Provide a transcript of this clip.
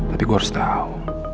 tapi gue harus tahu